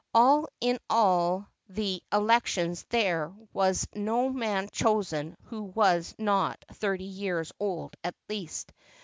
Also in all the elections there was no man chosen who was not thirty years old at least.